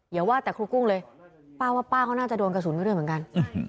อย่าว่าแต่ครูกุ้งเลยป้าว่าป้าเขาน่าจะโดนกระสุนไปด้วยเหมือนกัน